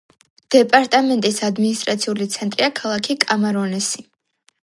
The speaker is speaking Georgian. დეპარტამენტის ადმინისტრაციული ცენტრია ქალაქი კამარონესი.